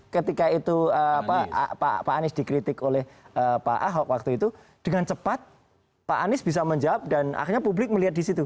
ketika itu pak anies dikritik oleh pak ahok waktu itu dengan cepat pak anies bisa menjawab dan akhirnya publik melihat di situ